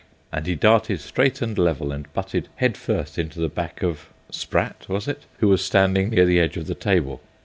And he darted straight and level and butted head first into the back of Sprat, was it? who was standing near the edge of the table.